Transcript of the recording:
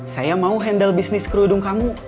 saya mau handle bisnis kerudung kamu